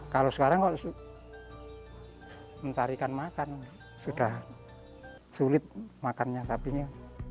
kalau sekarang kok mentarikan makan sudah sulit makannya sapinya